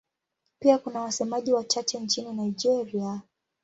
Pia kuna wasemaji wachache nchini Nigeria.